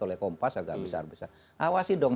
oleh kompas agak besar besar awasi dong